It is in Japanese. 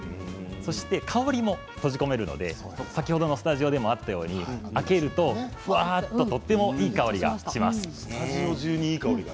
そして香りも閉じ込めるので先ほどのスタジオでもあったように、開けるとふわっととてもいい香りがします。